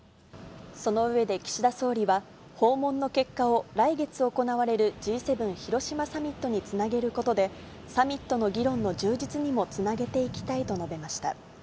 その上で岸田総理は、訪問の結果を、来月行われるＧ７広島サミットにつなげることで、サミットの議論の充実にもつなげていきたいと述べました。